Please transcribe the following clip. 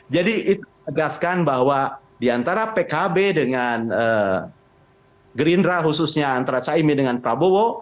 jadi itu menegaskan bahwa diantara pkb dengan gerindra khususnya antara caimi dengan prabowo